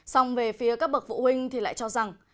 xong về phía các bậc phụ huynh thì lại cho rằng